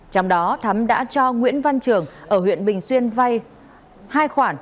trong đó thắm đã cho nguyễn văn trường ở huyện bình xuyên vay hai khoản